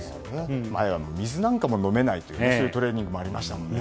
前は、水なんかも飲めないというトレーニングの時代もありましたね。